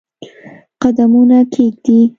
قدمونه کښېږدي